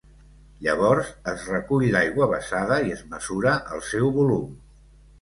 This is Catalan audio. Llavors, es recull l'aigua vessada i es mesura el seu volum.